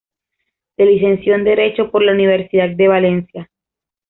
Se licenció en Derecho por la Universidad de Valencia.